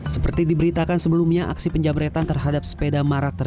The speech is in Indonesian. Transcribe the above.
seperti diberitakan sebelumnya aksi penjabretan terhadap sepeda marak tersebut